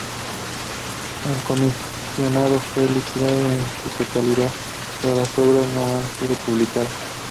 El comisionado fue liquidado en su totalidad, pero las obras no habían sido publicadas.